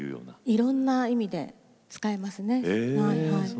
いろんな意味で使いますね。